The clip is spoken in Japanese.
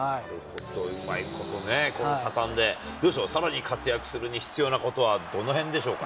うまいことね、畳んで、どうでしょう、さらに活躍するに必要なことはどのへんでしょうか。